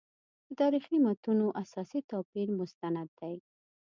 د تاریخي متونو اساسي توپیر مستند دی.